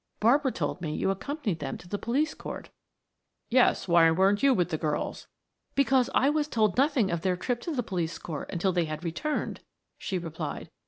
Barbara told me you accompanied them to the police court." "Yes. Why weren't you with the girls?" "Because I was told nothing of their trip to the police court until they had returned," she replied.